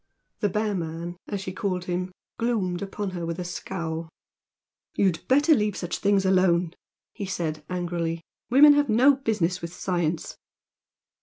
The bear man, as she called him, gloomed upon her with a scowl. "You'd better leave such things alone!" he said, angrily "Women have no business with science."